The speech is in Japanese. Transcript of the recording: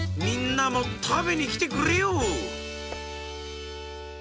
みんなもたべにきてくれよう！